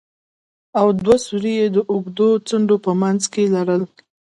او دوه سوري يې د اوږدو څنډو په منځ کښې لرل.